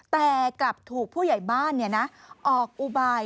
แต่กลับถูกผู้ใหญ่บ้านออกอุบาย